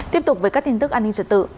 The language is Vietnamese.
tiếp tục với các tin tức an ninh trật tự